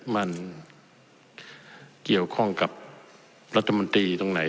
มันเกี่ยวข้องกับรัฐมนตรีตรงไหน